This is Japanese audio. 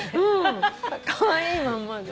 カワイイまんまで。